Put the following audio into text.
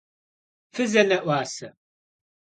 Fızene'uase?